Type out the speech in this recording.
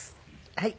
はい。